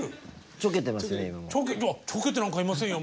ちょけてなんかいませんよ。